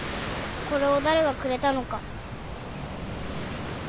これを誰がくれたのか。